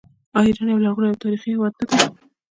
آیا ایران یو لرغونی او تاریخي هیواد نه دی؟